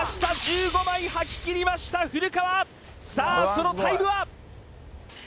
そのタイムは？